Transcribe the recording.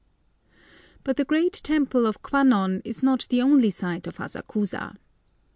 But the great temple to Kwan non is not the only sight of Asakusa.